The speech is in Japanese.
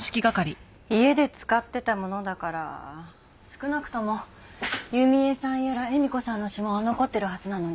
家で使ってたものだから少なくとも弓江さんやら恵美子さんの指紋は残ってるはずなのに。